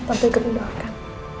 tante gerundu akan